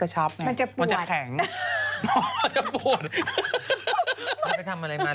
ก็จะปวดครับ